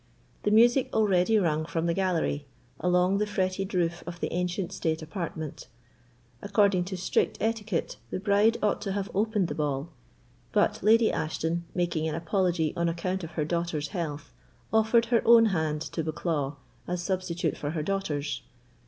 The music already rung from the gallery, along the fretted roof of the ancient state apartment. According to strict etiquette, the bride ought to have opened the ball; but Lady Ashton, making an apology on account of her daughter's health, offered her own hand to Bucklaw as substitute for her daughter's.